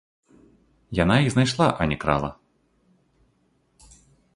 Яна іх знайшла, а не крала!